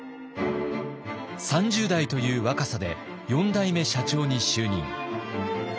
３０代という若さで４代目社長に就任。